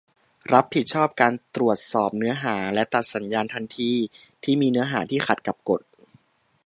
รับผิดชอบการตรวจสอบเนื้อหาและตัดสัญญาณทันทีที่มีเนื้อหาที่ขัดกับกฎ